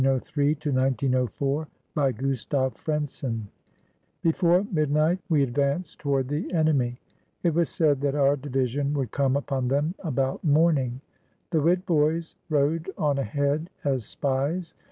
ADVANCING UPON THE ENEMY [1903 1904] BY GUSTAV FRENSSEN Before midnight we advanced toward the enemy. It was said that our division would come upon them about morning. The Witt boys rode on ahead as spies.